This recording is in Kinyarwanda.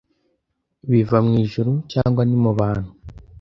Biva mu ijuru cyangwa ni mu bantu